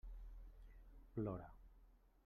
Plora.